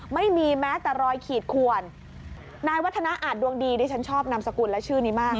ไม่มีแม้แต่รอยขีดขวนนายวัฒนาอาจดวงดีดิฉันชอบนามสกุลและชื่อนี้มาก